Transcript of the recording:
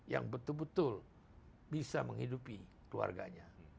yang betul betul bisa menghidupi keluarganya